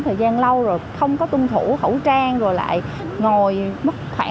thời gian lâu rồi không có tuân thủ khẩu trang rồi lại ngồi mất khả